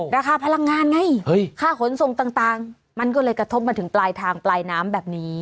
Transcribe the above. ราคาพลังงานไงค่าขนส่งต่างมันก็เลยกระทบมาถึงปลายทางปลายน้ำแบบนี้